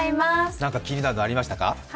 何か気になるの、ありましたか？